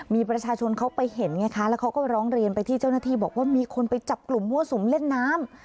มีประชาชนเขาไปเห็นไงคะแล้วเขาก็ร้องเรียนไปที่เจ้าหน้าที่บอกว่ามีคนไปจับกลุ่มมั่วสุมเล่นน้ำ